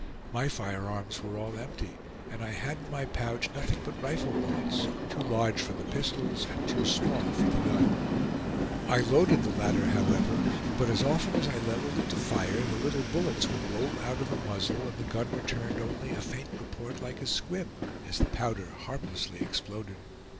My firearms were all empty, and I had in my pouch nothing but rifle bullets, too large for the pistols and too small for the gun. I loaded the latter, however, but as often as I leveled it to fire, the little bullets would roll out of the muzzle and the gun returned only a faint report like a squib, as the powder harmlessly exploded.